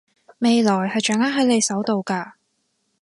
未來係掌握喺你手度㗎